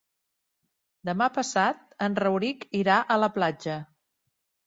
Demà passat en Rauric irà a la platja.